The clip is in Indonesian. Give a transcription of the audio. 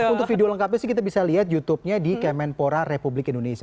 untuk video lengkapnya kita bisa lihat youtube nya di kemenpora republik indonesia